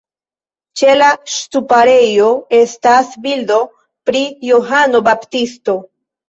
Ĉe la ŝtuparejo estas bildo pri Johano Baptisto.